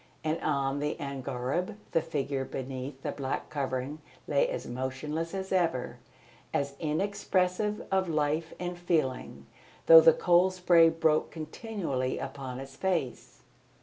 And on the angareb the figure beneath the black covering lay as motionless as ever, as inexpressive of life and feeling, though the cold spray broke continually upon its face.